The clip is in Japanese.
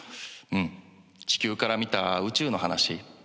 うん地球から見た宇宙の話。